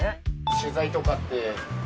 取材とかって。